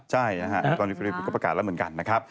ใช่นะฮะตอนนี้ฟิลิปปก็ประกาศแล้วเหมือนกันนะครับ